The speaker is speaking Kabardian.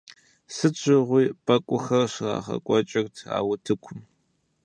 Сыт щыгъуи пэкӀухэр щрагъэкӀуэкӀырт а утыкум.